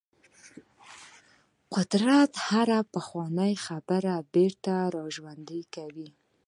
قدرت هره پخوانۍ خبره بیرته راژوندۍ کوي.